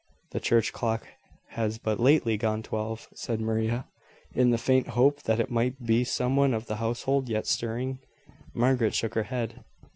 "The church clock has but lately gone twelve," said Maria, in the faint hope that it might be some one of the household yet stirring. Margaret shook her head.